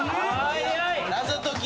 謎解き！